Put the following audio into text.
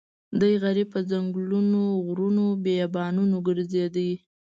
دی غریب په ځنګلونو غرونو بیابانونو ګرځېده.